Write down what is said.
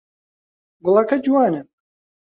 گوڵەکە جوانە.